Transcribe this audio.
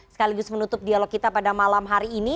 sekaligus menutup dialog kita pada malam hari ini